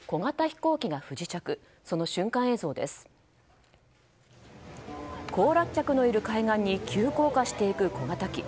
行楽客のいる海岸に急降下していく小型機。